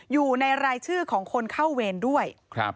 อยู่ในรายชื่อของคนเข้าเวรด้วย